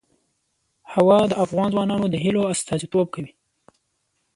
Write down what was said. هوا د افغان ځوانانو د هیلو استازیتوب کوي.